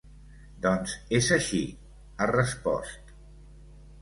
Doncs és així, ha respost.